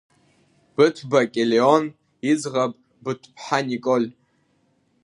Быҭәба Келеон, иӡӷабБыҭә-ԥҳа Николь.